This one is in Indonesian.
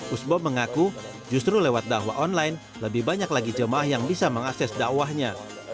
usbom mengaku justru lewat dakwah online lebih banyak lagi jemaah yang bisa mengakses dakwahnya